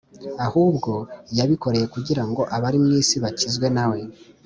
: ahubwo yabikoreye kugira ngo abari mu isi bakizwe na we.”